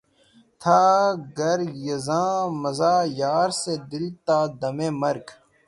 تھا گریزاں مژہٴ یار سے دل تا دمِ مرگ